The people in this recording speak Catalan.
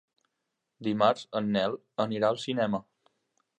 Dimarts en Nel anirà al cinema.